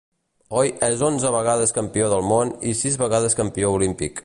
Hoy és onze vegades campió del món i sis vegades campió olímpic.